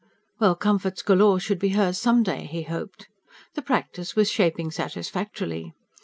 Well, comforts galore should be hers some day, he hoped. The practice was shaping satisfactorily.